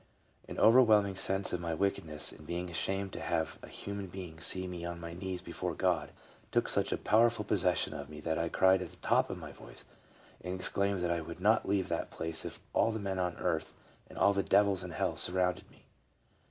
A.n overwhelming senseof my wickedness in being ashamed to have a human being see me on my knees before God, took such powerful possession of me that I cried at the top of my voice, and exclaimed that I would not leave that place if all the men on earth and all the devils in hell surrounded me.